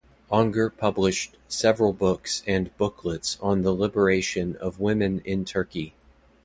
Onger published several books and booklets on the liberation of women in Turkey.